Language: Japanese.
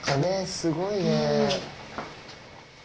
すごいね。